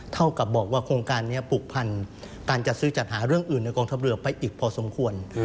เท่ากับบอกว่าโครงการนี้ผูกพันการจัดซื้อจัดหาเรื่องอื่นในกองทัพเรือไปอีกพอสมควร